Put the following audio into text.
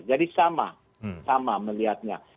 jadi sama sama melihatnya